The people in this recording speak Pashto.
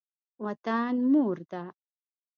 وطن مور ده.